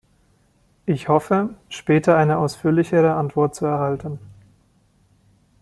Ich hoffe, später eine ausführlichere Antwort zu erhalten.